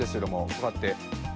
こうやって。